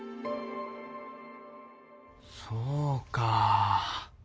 そうか。